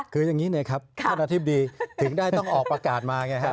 คืออย่างนี้เลยครับท่านอธิบดีถึงได้ต้องออกประกาศมาไงฮะ